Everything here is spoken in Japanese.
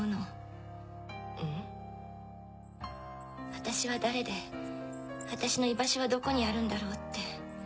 私は誰で私の居場所はどこにあるんだろうって。